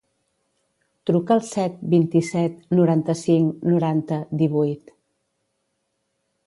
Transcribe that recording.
Truca al set, vint-i-set, noranta-cinc, noranta, divuit.